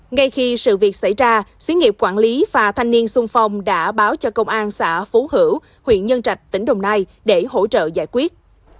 ngay khi sự việc xảy ra xứ nghiệp quản lý phà thanh niên sung phong đã báo cho công an xã phú hữu huyện nhân trạch tỉnh đồng nai để hỗ trợ giải quyết